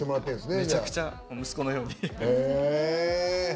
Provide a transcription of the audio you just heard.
めちゃくちゃ息子のように。